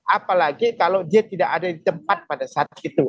apalagi kalau dia tidak ada di tempat pada saat itu